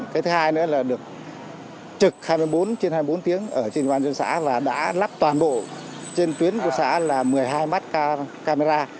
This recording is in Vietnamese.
cái thứ hai nữa là được trực hai mươi bốn trên hai mươi bốn tiếng ở trên quán dân xã và đã lắp toàn bộ trên tuyến của xã là một mươi hai mắt camera